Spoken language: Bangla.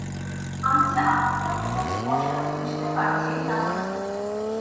আমি যে আপনার কথা খুব স্পষ্ট বুঝতে পারছি তা নয়।